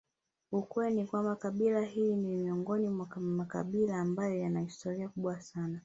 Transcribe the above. ukweli ni kwamba kabila hili ni miongoni mwa makabila ambayo yana historia kubwa sana